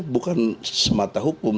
bukan semata hukum